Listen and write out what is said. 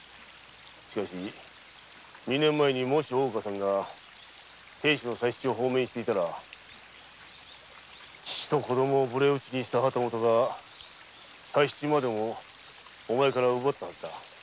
しかし二年前もし大岡さんが亭主の佐七を放免していたら父と子を無礼討ちにした旗本が佐七までもお前から奪ったはず。